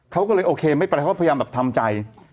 เขาก็เลยโอเคไม่เป็นไรเขาก็พยายามแบบทำใจ